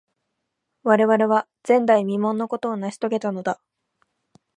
我々は、前代未聞のことを成し遂げたのだ。